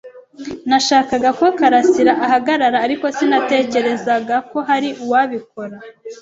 Nashakaga ko Kalasira ahagarara, ariko sinatekerezaga ko hari uwabikora.